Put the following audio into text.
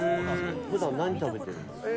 普段、何食べてるんですか？